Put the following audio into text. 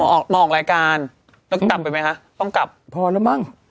ออกรายการต้องกลับไปไหมคะต้องกลับพอแล้วมั้ง